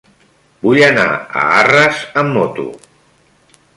Vull anar a Arres amb moto.